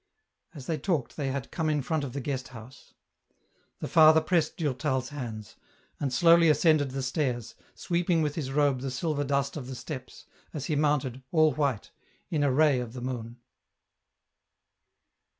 As they talked they had come in front of the guest house. The father pressed Durtal's hands, and slowly ascended the stairs, sweeping with his robe the silver dust of the steps, as he mounted, all white, in a ray of the moon.